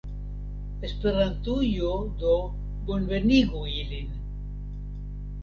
Esperantujo do bonvenigu ilin!